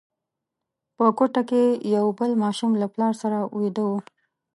په کوټه کې یو بل ماشوم له پلار سره ویده وو.